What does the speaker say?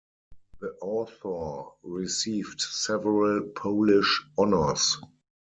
The author received several Polish honours.